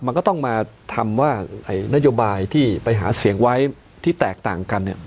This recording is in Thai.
มันก็ต้องมาทำว่านโยบายที่ไปหาเสียงไว้ที่แตกต่างกันเนี่ย